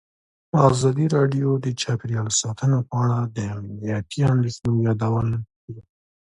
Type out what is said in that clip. ازادي راډیو د چاپیریال ساتنه په اړه د امنیتي اندېښنو یادونه کړې.